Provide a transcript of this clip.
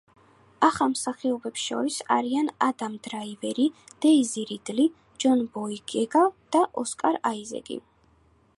ახალ მსახიობებს შორის არიან ადამ დრაივერი, დეიზი რიდლი, ჯონ ბოიეგა და ოსკარ აიზეკი.